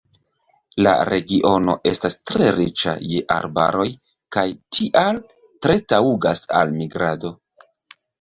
La regiono estas tre riĉa je arbaroj kaj tial tre taŭgas al migrado.